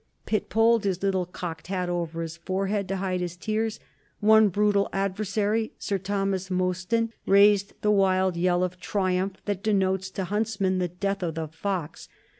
Pitt pulled his little cocked hat over his forehead to hide his tears. One brutal adversary, Sir Thomas Mostyn, raised the wild yell of triumph that denotes to huntsmen the death of the fox.